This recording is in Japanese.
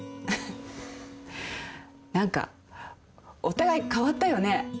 何かお互い変わったよね。